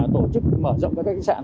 tổ chức mở rộng các khách sạn